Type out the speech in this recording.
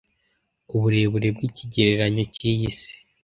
Uburebure bwikigereranyo cyiyi isi